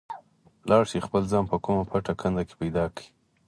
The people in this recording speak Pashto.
لاړ شئ خپل ځان په کومه پټه کنده کې پیدا کړئ.